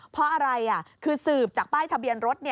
เพราะอะไรคือสืบจากป้ายทะเบียนรถ